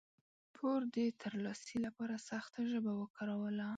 پور د ترلاسي لپاره سخته ژبه وکاروله.